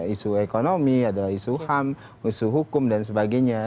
isu ekonomi ada isu ham isu hukum dan sebagainya